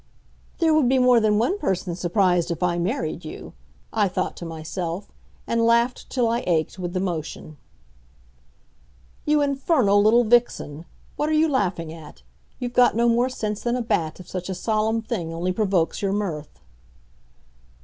"There would be more than one person surprised if I married you," I thought to myself, and laughed till I ached with the motion. "You infernal little vixen! What are you laughing at? You've got no more sense than a bat if such a solemn thing only provokes your mirth."